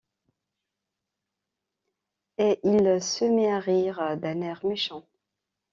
Et il se mit à rire d’un air méchant.